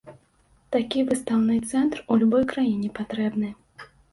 Такі выстаўны цэнтр у любой краіне патрэбны.